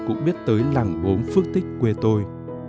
cũng biết tới làng gốm phước tích quê tôi